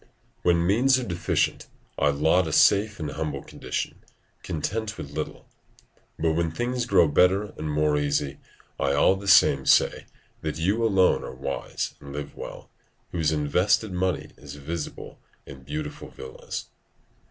["When means are deficient, I laud a safe and humble condition, content with little: but when things grow better and more easy, I all the same say that you alone are wise and live well, whose invested money is visible in beautiful villas."